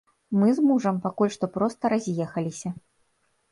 Мы з мужам пакуль што проста раз'ехаліся.